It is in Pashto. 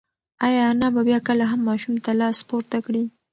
ایا انا به بیا کله هم ماشوم ته لاس پورته کړي؟